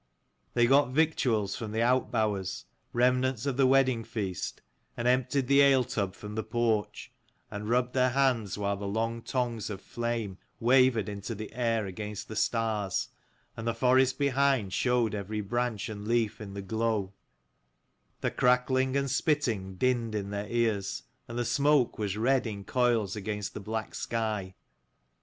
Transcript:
They got victuals from the out bowers, remnants of the wedding feast, and emptied the ale tub from the porch, and rubbed their hands while the long tongues of flame wavered into the air against the stars, and the forest behind showed every branch and leaf in the glow: the crackling and spitting dinned in their ears, and the smoke was red in coils against the black sky.